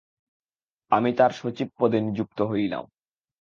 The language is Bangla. আমি তার সচিব পদে নিযুক্ত হলাম।